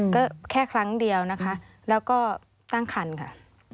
ก็แค่ครั้งเดียวนะคะแล้วก็ตั้งคันค่ะ